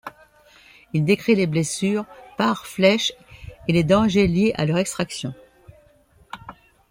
Il décrit les blessures par flèches, et les dangers liés à leur extraction.